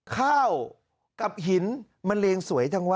ข้าวกับหินมันเรียงสวยจังวะ